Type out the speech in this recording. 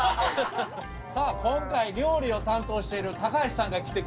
さあ今回料理を担当している高橋さんが来てくれております。